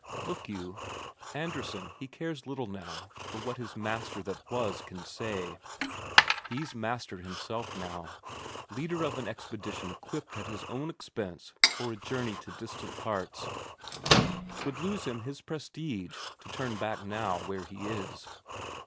Look you, Andresen he cares little now for what his master that was can say; he's master himself now, leader of an expedition equipped at his own expense for a journey to distant parts; 'twould lose him his prestige to turn back now where he is.